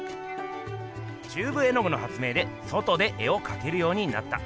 チューブ絵具の発明で外で絵をかけるようになった。